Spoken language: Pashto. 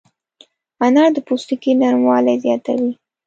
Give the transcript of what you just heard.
انار د پوستکي نرموالی زیاتوي.